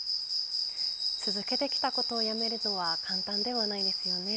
続けてきたことをやめるのは簡単ではないですよね。